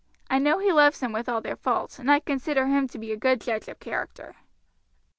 I know he loves them with all their faults, and I consider him to be a good judge of character."